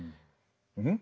うん？